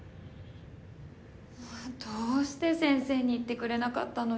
どうして先生に言ってくれなかったのよ。